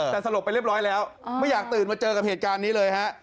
แต่สลบไปเรียบร้อยแล้วไม่อยากตื่นมาเจอกับเหตุการณ์นี้เลยฮะ